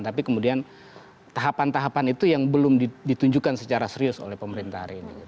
tapi kemudian tahapan tahapan itu yang belum ditunjukkan secara serius oleh pemerintah hari ini